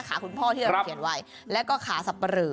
คุณพ่อที่เราเขียนไว้แล้วก็ขาสับปะเรอ